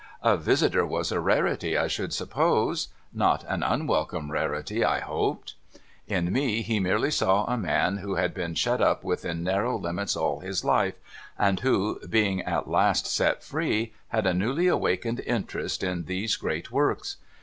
A visitor was a rarity, I should suppose ; not an unwelcome rarity, I hoped ? In me, he merely saw a man who had been shut up within narrow limits all his life, and who, being at last set free, had a newly awakened interest in these great works.